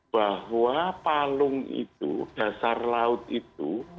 bahwa palung itu dasar laut itu